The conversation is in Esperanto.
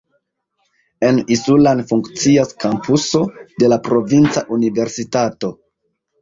En Isulan funkcias kampuso de la provinca universitato.